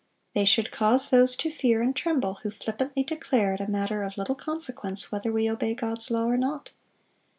They should cause those to fear and tremble who flippantly declare it a matter of little consequence whether we obey God's law or not.